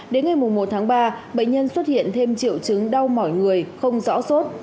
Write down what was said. đến ngày một tháng ba bệnh nhân xuất hiện thêm triệu chứng đau mỏi người không rõ sốt